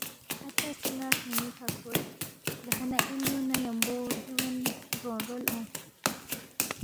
آتا سی نا ہرنیکہ کھورس دہانا اے میونگ نہ یمبو بگیوگین گرونگ رول اونگس۔